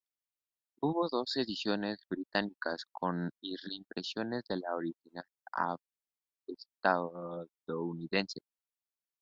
Hubo dos ediciones británicas con reimpresiones de la original estadounidense.